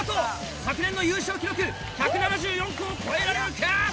昨年の優勝記録１７４個を超えられるか？